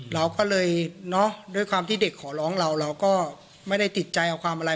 เราก็เลยเนาะด้วยความที่เด็กขอร้องเราเราก็ไม่ได้ติดใจเอาความอะไร